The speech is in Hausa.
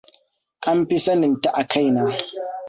An fi saninta a kaina.